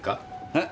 えっ？